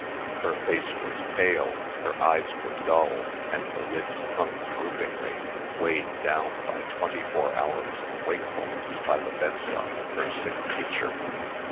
Her face was pale. Her eyes were dull, and the lids hung droopingly, weighed down by twenty four hours of wakefulness by the bedside of her sick teacher.